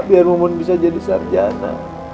biar lumun bisa jadi sarjana